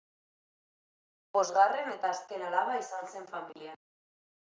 Bosgarren eta azken alaba izan zen familian.